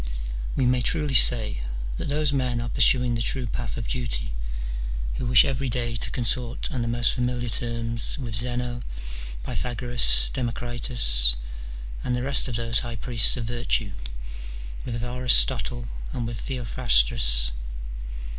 We may truly say that those men are pursuing the true path of duty, who wish every day to consort on the most familiar terms with Zeno, Pythagoras, Democritus, and the rest of those high priests of virtue, with Aristotle and with Theophrastus.